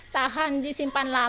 tahan disimpan lama